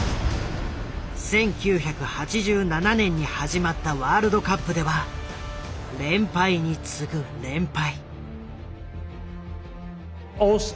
１９８７年に始まったワールドカップでは連敗につぐ連敗。